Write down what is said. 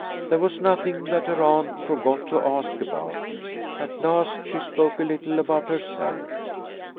There was nothing that her aunt forgot to ask about. As last she spoke a little about herself.